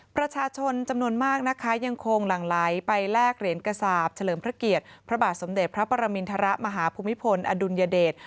ประชาชนจำนวนมากนะคะยังคงหลั่งไหลไปแลกเหรียญกระสาปเฉลิมพระเกียรติพระบาทสมเด็จพระปรมินทรมาฮภูมิพลอดุลยเดช